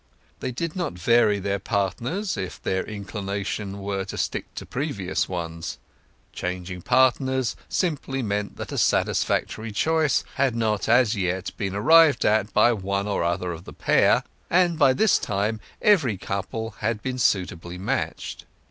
They did not vary their partners if their inclination were to stick to previous ones. Changing partners simply meant that a satisfactory choice had not as yet been arrived at by one or other of the pair, and by this time every couple had been suitably matched.